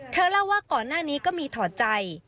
เธอเล่าว่าก่อนหน้านี้ก็มีถอดใจ